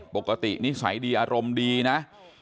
ปกตินิสัยดีอารมณ์ดีนะ